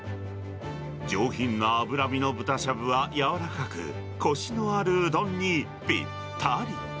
上品な脂身の豚しゃぶは柔らかく、こしのあるうどんにぴったり。